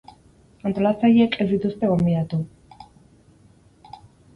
Antolatzaileek ez dituzte gonbidatu.